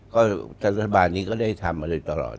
ก็รัฐบาลนี้ก็ได้ทำมาโดยตลอด